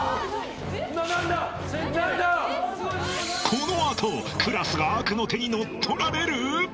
［この後クラスが悪の手に乗っ取られる？］